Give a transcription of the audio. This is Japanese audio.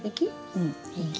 うん平気。